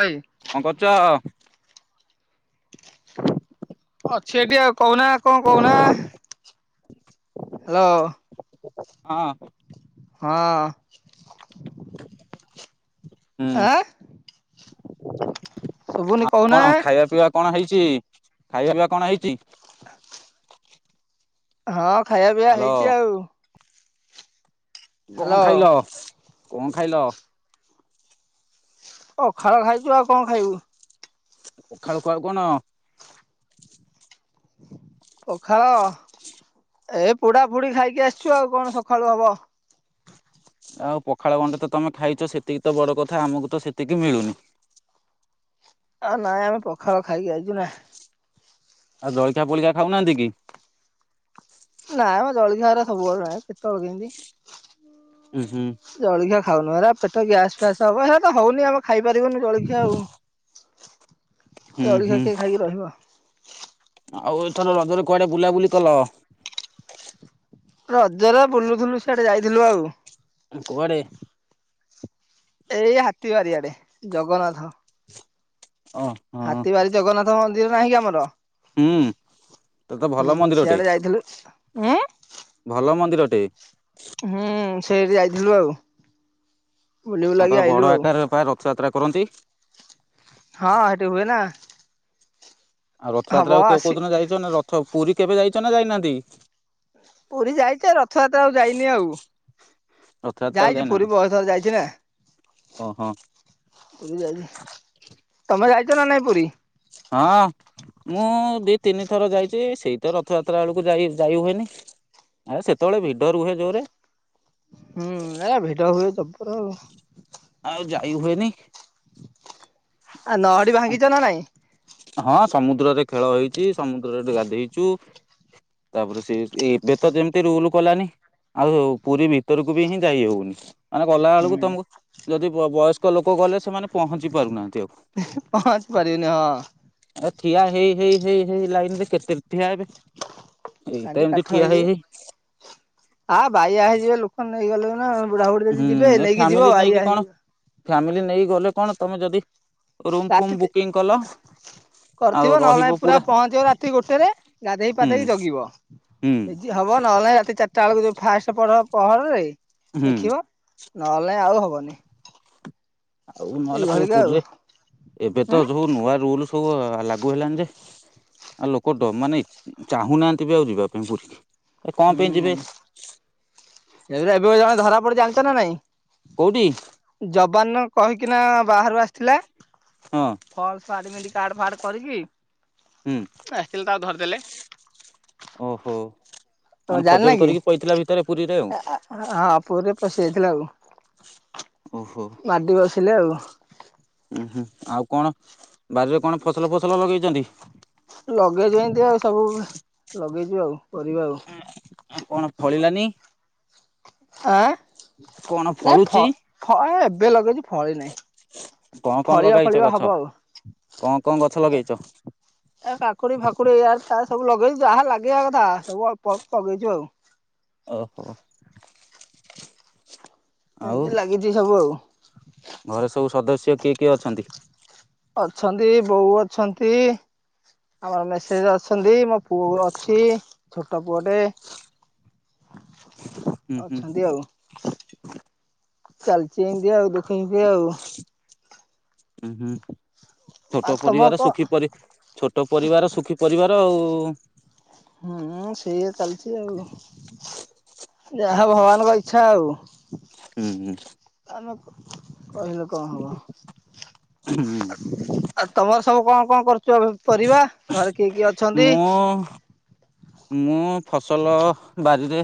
ହଏ [inaudible] କଣ କରୁଛ? ଅଛି ଏଠିକି ଆଉ କହୁନା କଣ କହୁନା? ହ୍ୟାଲୋ। ହଁ। ହଁ ଅଁ। ହୁଁ ହଁ। ଶୁଭୁନି ଆଉ କହୁନା କଣ ଖାଇବା ପିଇବା କଣ ହେଇଛି ଖାଇବା ପିଇବା କଣ ହେଇଛି? [inaudible] ହଁ ଖାଇବା ପିଇବା ହ୍ୟାଲୋ ହେଇଛି ଆଉ। କଣ ହ୍ୟାଲୋ ଖାଇଲ କଣ ଖାଇଲ? ପଖାଳ ଖାଇଛୁ ଆଉ କଣ ଖାଇବୁ। ପଖାଳ କୁ ଆଉ କଣ? ପଖାଳ, ଏ ପୋଡ଼ା ପୋଡ଼ି ଖାଇକି ଆସିଛୁ ଆଉ କଣ ସକାଳୁ ହବ। ଆଉ ପଖାଳ ଗଣ୍ଡେ ତମେ ତ ଖାଇଛ ସେତିକି ତ ବଡ କଥା ଆମକୁ ତ ସେତିକି ମିଳୁନି। ଆ ନାଇଁ ଆମେ ପଖାଳ ଖାଇକି ଆଇଛୁ ନା। ଆଉ ଜଳଖିଆ ଫଳଖିଆ ଖାଉନାହାନ୍ତି କି? ନାଇଁ ଆମ ଜଳଖିଆ ହେରା ସବୁବେଳେ ନାହିଁ କେତେ ବେଳେ କେମିତି। ଉୁଁ, ହୁଁ। ଜଳଖିଆ ଖାଉନୁ ଏରା ପେଟ ଗ୍ୟାସ ଫ୍ୟାସ ହବ ହେରା ତ ହଉନି ଆମେ ଖାଇପାରିବୁନି ଜଳଖିଆ ଆଉ। ହୁଁ ହୁଁ ଜଳଖିଆ କିଏ ଖାଇକି ରହିବ? ଆଉ ଏଥର ରଜରେ କୁଆଡ଼େ ବୁଲାବୁଲି କଲ? ରଜରେ ବୁଲୁଥିଲୁ ସିଆଡ଼େ ଯାଇଥିଲୁ ଆଉ। କୁଆଡ଼େ? ଏଇ ହାତିବାରି ଆଡ଼େ ଜଗନ୍ନାଥ ହଁ। ହାତିବାରି ଜଗନ୍ନାଥ ମନ୍ଦିର ନାହିଁ କି ଆମର? ହୁଁ ତ ତେ ଭଲ ହୁଁ ମନ୍ଦିରଟେ, ସିଆଡେ ଯାଇଥିଲୁ। ଉଁ ଭଲ ମନ୍ଦିରଟେ। ହୁଁ, ସେଇଠି ଯାଇଥିଲୁ ଆଉ। ବୁଲି ବୁଲାକି ତାଙ୍କର ଆଇଲୁ ବଡ ଆଉ। ଆକାରରେ ପା ରଥଯାତ୍ରା କରନ୍ତି। ହଁ, ଏଇଟି ହୁଏ ନା। ଆଉ ହବ ରଥଯାତ୍ରା ଆଉ କେଉ କୋଉ ଆସି ଦିନ ଯାଇଛ ନା ରଥ ପୁରୀ କେବେ ଯାଇଛ ନା ଯାଇନାହାନ୍ତି!? ପୁରୀ ଯାଇଛି ଏ ରଥଯାତ୍ରା ଓଲୁ ଯାଇନି ଆଉ। ରଥଯାତ୍ରାକୁ ଯାଇଛି ଯାଇନାହାନ୍ତି ପୁରୀ ବହୁଥର ଯାଇଛି ନା। ଓହୋ ପୁରୀ ଯାଇଛି, ତମେ ଯାଇଛ ନା ନାଇଁ ପୁରୀ? ହଁ। ମୁଁ ଦି ତିନି ଥର ଯାଇଛି ସେଇ ତ ରଥଯାତ୍ରା ବେଳକୁ ଯାଇ ଯାଇ ହୁଏନି। ଆରେ ସେତେବେଳେ ଭିଡ଼ ରୁହେ ଜୋରେ। ହୁଁ, ଏ ଭିଡ ହୁଏ ଜବର ଆଉ। ଆଉ ଯାଇ ହୁଏନି। ଆ ଲହଡ଼ି ଭାଙ୍ଗିଛ ନା ନାଇଁ? ହଁ ସମୁଦ୍ରରେ ଖେଳ ହେଇଛି, ସମୁଦ୍ରରେ ଗାଧୋଇଚୁ। ତାପରେ ସେ ଏବେ ତ ଯେମିତି ରୁଲ କଲାନି ଆଉ ପୁରୀ ଭିତରକୁ ବି ହିଁ ଯାଇ ହଉନି। ମାନେ ଗଲାବେଳକୁ ହୁଁ ତମକୁ ଯଦି ବ ବୟସ୍କ ଲୋକ ଗଲେ ସେମାନେ ପହଞ୍ଚି ପାରୁନାହାନ୍ତି ଆଉ। [unintelligible] ହଁ ଏ ଠିଆ ହେଇ ହେଇ ହେଇ ହେଇ ଲାଇନ୍ ରେ କେତେ ଠିଆ ହେବେ। ଏଇତ ଗାଣ୍ଡି ଏମିତି କାଠ ଠିଆ ହେଇ ହେଇ ହେଇଯିବେ, ଆ ବାଇଆ ହେଇଯିବେ ଲୋକ ନେଇଗଲେ ନା ଆଉ। ବୁଢ଼ାବୁଢ଼ୀ ଯଦି ହୁଁ ଯିବେ ଏ ନେଇକି ଫ୍ୟାମିଲି ଯିବ ନେଇକି ବାଇଆ କଣ ହେଇଯିବ। ଫ୍ୟାମିଲି ନେଇକି ଗଲେ କଣ ତମେ ଯଦି ରୁମ୍ ଫୁମ୍ ରାତି ବୁକିଂ କଲ ଆଉ କରିଥିବ ନହେଲେ ନାଇ ରହିବ ପୁରା ପହଞ୍ଚିବ ରାତି ଗୋଟେରେ ଗାଧେଇ ହୁଁ ପାଧେଇ ଜଗିବ। ହୁଁ ହବ ନହେଲେ ରାତି ଚାରିଟା ବେଳକୁ ଯୋ ଫାଷ୍ଟ ପର ପହରରେ ହୁଁ ଦେଖିବ। ନହେଲେ ଆଉ ହବନି। ଆଉ ନହେଲେ କୋଉ ଏଇଭଳିକା ଆଉ ପୁରୀରେ ଉଁ ଏବେ ତ ହୁଁ। ସବୁ ନୂଆ ରୁଲ୍ ସବୁ ଲାଗୁ ହେଲାଣି ଯେ ଆଉ ଲୋକଟ ମାନେ ଚାହୁଁନାହାନ୍ତି ବି ଆଉ ଯିବା ପାଇଁ ପୁରୀ, ଏ କଣ ପାଇଁ ଯିବେ? ଏ ଏବେ ଜଣେ ଧରା ପଡ଼ିଛି ଜାଣିଛ ନା ନାଇଁ? କୋଉଠି? ଯବାନ କହିକିନା ବାହାରୁ ଆସିଥିଲା ହଁ ଫଲସ ଆଡ଼ମିଟ କାର୍ଡ ଫାର୍ଡ କରିକି ହୁଁ ଏହଥିଲ ତାକୁ ଧରିଦେଲେ ଓହୋ ତମେ ମାନେ ଜାଣିନ ଫରଜରି କି? କରିକି ପଇଥିଲା ଭିତରେ ପୁରୀରେ ଆଉ ହଁ ପୁରୀରେ ପଶିଯାଇଥିଲା ଆଉ। ଓହୋ ମାଡ଼ି ବସିଲେ ଆଉ। ଉୁଁ ହୁଁ ଆଉ କଣ ବାରିରେ କଣ ଫସଲ ଫସଲ ଲଗେଇଛନ୍ତି? ଲଗେଇଚୁ ଏମିତି ଆଉ ସବୁ ଲଗେଇଚୁ ଆଉ। କରିବା ଆଉ କଣ ଫଳିଲାନି? [unintelligible] ଆଁ କଣ ନାଇଁ ଫଳୁଛି ଫ ଫ ଏବେ ଲଗେଇଛି ଫଳି ନାହିଁ। କଣ କଣ ଫଳିବା ଲଗେଇଛ ଫଳିବା ହବ ଗଛ ଆଉ। କଣ କଣ ଗଛ ଲଗେଇଛ? ଏ କାକୁଡ଼ି ଫାକୁଡ଼ି ଏୟାର ସାର୍ ସବୁ ଲଗେଇଛୁ ଯାହା ଲାଗିବା କଥା ସବୁ ଅଳ୍ପ ଅଳ୍ପ ଲଗେଇଛୁ ଆଉ। ଓହୋ ଆଉ ଏମିତି ଲାଗିଛି ସବୁ ଆଉ। ଘରେ ସବୁ ସଦସ୍ୟ କିଏ କିଏ ଅଛନ୍ତି? ଅଛନ୍ତି ବୋଉ ଅଛନ୍ତି, ଆମର ମେସେଜ ଅଛନ୍ତି, ମୋ ପୁଅ ଗୋର ଅଛି ଛୋଟ ପୁଅଟେ। ହୁଁ ହୁଁ ଅଛନ୍ତି ଆଉ। ଚାଲିଛି ଏମତି ଆଉ। ଦେଖନ୍ତି ଆଉ। ହୁଁ ହୁଁ ଆଉ ଛୋଟ ତମ ପରିବାର କ ସୁଖୀ ପର ଛୋଟ ପରିବାର ସୁଖୀ ପରିବାର ଆଉ। ହୁଁ ସେଇଆ ଚାଲିଛି ଆଉ। ଯାହା ଭଗବାନଙ୍କ ଇଚ୍ଛା ଆଉ। ହୁଁ ହୁଁ ଆମେ କହିଲେ କଣ ହବ। ଆଉ ତମର ସବୁ କଣ କଣ କରୁଛ ପରିବା? ଘରେ କିଏ କିଏ ଅଛନ୍ତି? ହଁ ମୁଁ ଫସଲ ବାରିରେ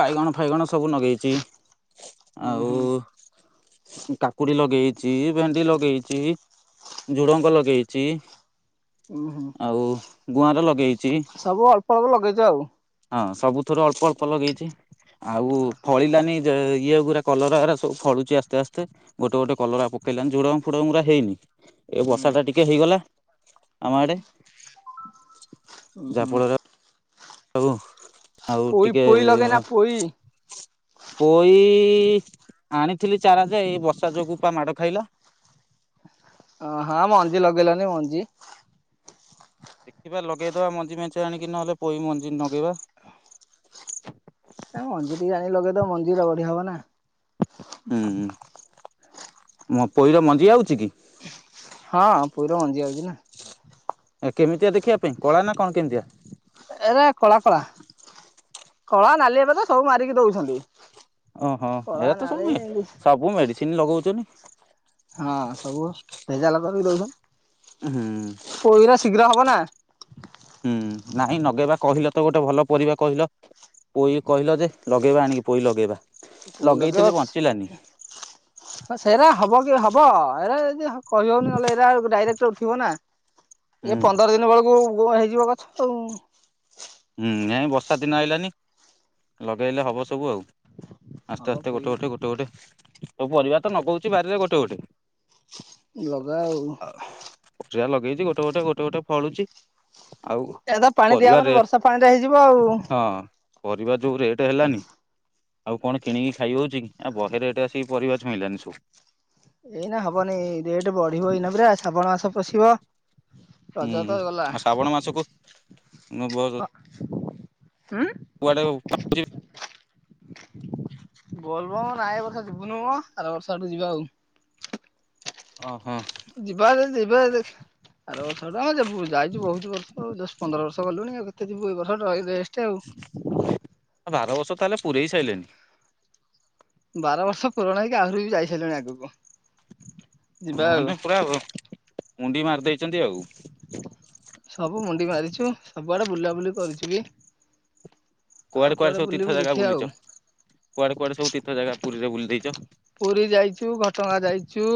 ବାଇଗଣ ଫାଇଗଣ ସବୁ ଲଗେଇଛି। ଉୁଁ ଆଉ ହୁଁ କାକୁଡ଼ି ଲଗେଇଛି, ଭେଣ୍ଡି ଲଗେଇଛି ଝୁଡ଼ଙ୍କ ଲଗେଇଛି ଉଁ ହୁଁ ଆଉ ଗୁଆଁର ଲଗେଇଛି। ସବୁ ଅଳ୍ପ ଅଳ୍ପ ଲଗେଇଛ ଆଉ। ହଁ ସବୁଥର ଅଳ୍ପ ଅଳ୍ପ ଲଗେଇଛି ଆଉ ଫଳିଲାନି ଯେ ଇଏ ଗୁରା କଲରା ହେରା ସବୁ ଫଳୁଛି ଆସ୍ତେ ଆସ୍ତେ ଗୋଟେ ଗୋଟେ କଲରା ପକେଇଲାଣି ଝୁଡଙ୍ଗ ଫୁଡ଼ଙ୍ଗ ହେରା ହେଇନି। ଏ ହୁଁ। ବର୍ଷା ଟା ଟିକେ ହେଇଗଲା ଆମ ଆଡ଼େ। ଓହୋ ଆଉ ଆଉ ପୋଇ ଟିକେ ପୋଇ ଲଗେଇନା ପୋଇ ପୋଇ ଆଣିଥିଲି ଚାରା ଯାଏ ଏଇ ବର୍ଷା ଯୋଗୁ ପା ମାଡ଼ ଖାଇଲା। ଓ ହଁ ମଞ୍ଜି ଲଗେଇଲନି ମଞ୍ଜି ଦେଖିବା ଲଗେଇଦବା ମଞ୍ଜି ମେଞ୍ଚ ଆଣିକି ନହେଲେ ପ ମଞ୍ଜି ଲଗେଇବା। ଏ ମଞ୍ଜି ଟିକେ ଆଣି ଲଗେଇଦବ ମଞ୍ଜି ରା ବଢ଼ିଆ ହବ ନା। ଉୁଁ ହୁଁ ମ ପୋଇର ମଞ୍ଜି ଆଉଚିକି। ହଁ ପୋଇର ମଞ୍ଜିଆଉଚିନା। କେମିତିଆ ଦେଖିବା ପାଇଁ କଳାନା କଣ କେମିତିଆ? ଏରା କଳା କଳା କଳା ନାଲି ଏବେତ ସବୁ ମାରିକି ଦଉଛନ୍ତି। ଓହୋ କଳା ଏରାତ ନାଲି ସବୁ ମେ ଏମିତି ସବୁ ମେଡିସିନ ଲଗଉଚନି। ହଁ ସବୁ ଭେଜାଲ କରିକି ଦଉନ। ଉୁଁ ହୁଁ ପୋଇରା ଶୀଘ୍ର ହବନା। ହୁଁ ନାହିଁ ନଗେଇବା କହିଲତ ଗୋଟେ ଭଲ ପରିବା କହିଲ? ପୋଇ କହିଲଯେ ଲଗେଇବା ଆଣିକି ପୋଇ ଲଗେଇବା ଲଗେଇଥିଲି ବଞ୍ଚିଲାନି। ହଁ ସେରା ହବକି ହବ ଏରା ଯଦି କହିହଉନି ନହେଲେ ଏରା ଡାଇରେକ୍ଟ ଥିବନା ଇଏ ହୁଁ ପନ୍ଦର ଦିନବେଳକୁ ଗୁରେ ହେଇଯିବ ଗଛ ଆଉ। ହୁଁ ନାଇଁ ବର୍ଷାଦିନ ଆଇଲାନି ଲଗେଇଲେ ହବ ସବୁ ଆଉ। ଆସ୍ତେ ହବ ଆସ୍ତେ ପୋଇ ଗୋଟେ ଗୋଟେ ଗୋଟେ ଗୋଟେ ସବୁ ପରିବାତ ନଗଉଚି ବାରିରେ ଗୋଟେ ଗୋଟେ। ଲଗା ଆଉ। ପଛୁଆ ଲଗେଇଛି ଗୋଟେ ଗୋଟେ ଗୋଟେ ଗୋଟେ ଫଳୁଛି ଆଉ ପରିବା ରେଟ ପାଣିଟା ହେଇଯିବ। ଆଉ। ହଁ ପରିବା ଯୋଉ ରେଟ ହେଲାନି। ଆଉ କଣ କିଣିକି ଖାଇହଉଛିକି ଆ ବହେରେଟ ଆସିକି ପରିବା ଛୁଇଁଲାଣି ସବୁ। ଏଇନା ହବନି ରେଟ ବଢିବ ଏଇନା ପୁରା ଶ୍ରାବଣ ମାସ ପଶିବ। ରଜ ହୁଁ ତ ହୁଁ ଗଲା। ଆଉ ଶ୍ରାବଣ ମାସକୁ [unintelligible] ଉୁଁ। କୁଆଡେ ଓଉ। ବୋଲବମ ନାଇଁ ଏବର୍ଷ ଯିବୁନୁମ ଆରବର୍ଷ ଆଡକୁ ଯିବା ଆଉ। ହଁ ଫାସ ଯିବା ଯଦି ଯିବା ଦେଖିବା। ଆରବର୍ଷଟା ଆ ଯିବୁ ଯାଇଛୁ ବହୁତ ବର୍ଷ ଆଉ ଦଶ ପନ୍ଦର ବର୍ଷ ଗଲୁଣି ଆଉ କେତେ ଯିବୁ ଏଇବର୍ଷ ରହ ରେଷ୍ଟେ ଆଉ। ବାରବର୍ଷ ତାହେଲେ ପୁରେଇ ସାରିଲେଣିି। ବାରବର୍ଷ ପୁରଣ ହେଇକି ଆହୁରିବି ଯାଇସାଇଲାଣି ଆଗକୁ। ଯିବା ଆଉ। କହନି ପୁରା ମୁଣ୍ଡି ମାରି ଦେଇଛନ୍ତି ଆଉ। ସବୁ ମୁଣ୍ଡି ମାରିଛୁ ସବୁଆଡେ ବୁଲାବୁଲି କରୁଛୁବି। କୁଆଡେ କୁଆଡେ ସବୁ ତୀର୍ଥ ଜାଗା ଦେଖିବା ଆଉ ବୁଲିଚ କୁଆଡେ କୁଆଡେ ସବୁ ତୀର୍ଥ ଜାଗା ପୁରୀରେ ବୁଲି ଦେଇଚ। ପୁରୀ ଯାଇଚୁ ଘଟଗା ଯାଇଚୁ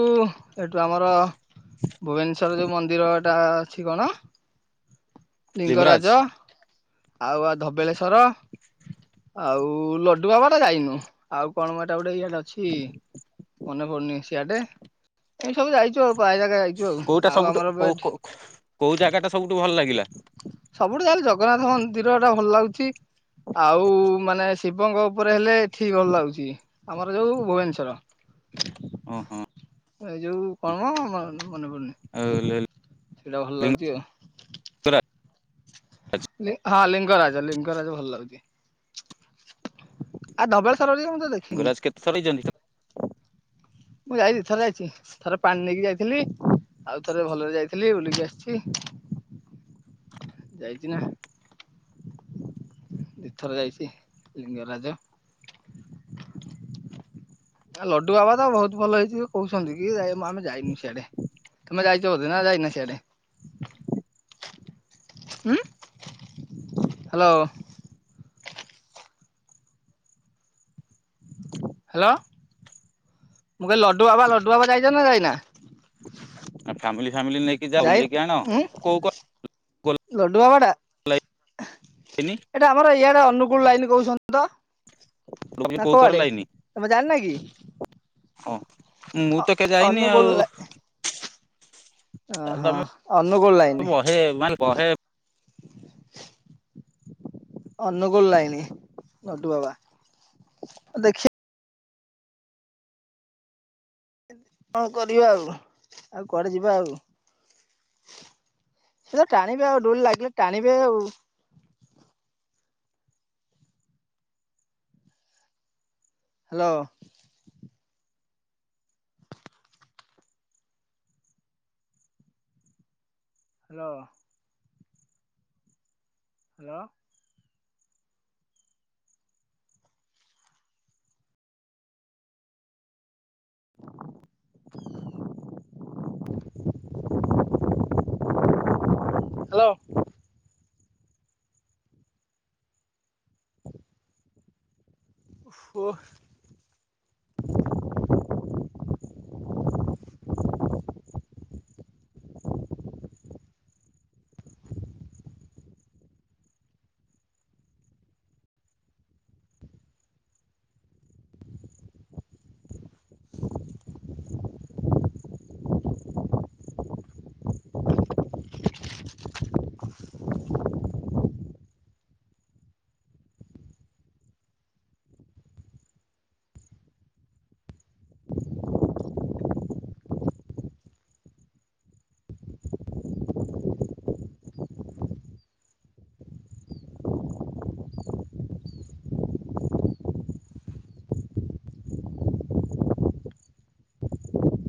ଏଠୁ ଆମର ଭୁବନେଶ୍ଵର ଯୋଉ ମନ୍ଦିରଟା ଅଛି କଣ? ଲିଙ୍ଗରାଜ। ଆଉ ଆଉ ଧବେଳେଶ୍ଵର ଆଉ ଲଡୁ ବାବାଟା ଯାଇନୁ। ଆଉ କଣମ ଏଟା ଗୋଟେ ଇଆଡେ ଅଛି। ମନେ ପଡୁନି ସିଆଡେ ଏ ସବୁ ଯାଇଚୁ ଆଉ ପାଏ ଜାଗା ଯାଇଚୁ ଆଉ କୋଉଟା ଆଉ ସବୁଠୁ ଆମର କୋଉ ଏଠି କୋଉ ଜାଗାଟା ସବୁଠୁ ଭଲ ଲାଗିଲା। ସବୁଠୁ ଯାହେଲେ ଜଗନ୍ନାଥ ମନ୍ଦିରଟା ଭଲ ଲାଗୁଛି। ଆଉ ମାନେ ଶିବଙ୍କ ଉପରେ ହେଲେ ଠିକ ଭଲ ଲାଗୁଛି ଆମର ଯୋଉ ଭୁବନେଶ୍ୱର। ଉୁଁ ହୁଁ ଏଇ ଯୋଉ କଣମ ମନେ ପଡୁନି? ଆଉ ଲେଲ। ସେଇଟା ଭଲ ଲାଗୁଛି ଆଉ। ଲିଙ୍ଗରାଜ ହଁ ଲିଙ୍ଗରାଜ ଲିଙ୍ଗରାଜ ଭଲ ଲାଗୁଛି। ଆ ଧବଳେଶ୍ୱର ବି ମୁଁ ତ ଦେଖିନି। ଚଲେଇଛନ୍ତି। ମୁଁ ଯାଇଚି ଦି ଥର ଯାଇଛି ଥରେ ପାଣି ନେଇକି ଯାଇଥିଲି ଆଉ ଥରେ ଭଲରେ ଯାଇଥିଲି। ଖେଲି ବୁଲିକି ଆସିଛି ଯାଇଛି ନା। ଦିଥର ଯାଇଛି ଲିଙ୍ଗରାଜ। ଲଡୁ ବାବା ତ ବହୁତ ଭଲ ହେଇଛି କହୁଛନ୍ତି କି ଆମେ ଯାଇନୁ ସିଆଡେ ତମେ ଯାଇ ଛ ବୋଧେ ନା ଯାଇନ ସିଆଡେ। ଉଁ। ହ୍ୟାଲୋ। ହ୍ୟାଲୋ ମୁଁ କହେଲି ଲଡ଼ୁବାବା ଲଡୁବାବା ଯାଇଛ ନା ଯାଇନା। ଆ ଫ୍ୟାମିଲି ଫାମିଲି ନେଇକି ଯାଅ ବୁଲେଇକି ଆଣ କୋଉ କ ଲଡୁବାବା ଟା ଲାଇନି ଏଇଟା ଆମର ଇଆଡେ ଅନୁଗୁଳ ଲାଇନ କହୁଛନ୍ତି ତ। ଲ ନା କୋଉ କର କୋଉଆଡେ ଲାଇନି ତମେ ଜାଣିନା କି ହଁ। ମୁଁ ତ କେ ଯାଇନି ଅନୁଗୁଳ ଆଉ। ଓହୋ ଅନୁଗୁଳ ଲାଇନ। ମୁଁ ବହେ ମାଲ ବହେ [inaudible] ଅନୁଗୁଳ ଲାଇନ ଲଡୁ ବାବା ଦେଖି ହଁ କରିବା ଆଉ ଆଉ କୁଆଡେ ଯିବା ଆଉ। ସେ ଟାଣିବେ ଆଉ ଡୋରି ଲାଗିଲେ ଟାଣିବେ ଆଉ। ହ୍ୟାଲୋ। ହ୍ୟାଲୋ। ହ୍ୟାଲୋ। [inaudible] ହ୍ୟାଲୋ। ହୋ।